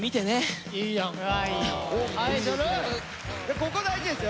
ここ大事ですよ